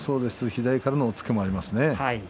左からの押っつけもあります。